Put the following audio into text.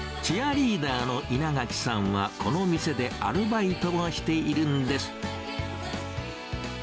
チアリーダーのいながきさんはこの店でアルバイトをしているんです。